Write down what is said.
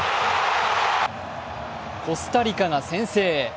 コスタリカが先制。